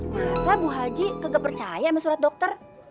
masa bu haji kegap percaya sama surat dokter